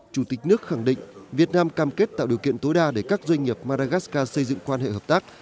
chủ tịch nước khẳng định việt nam cam kết tạo điều kiện tối đa để các doanh nghiệp maragascar xây dựng quan hệ hợp tác